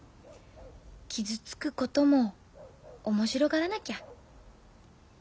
傷つくことも面白がらなきゃ。ね。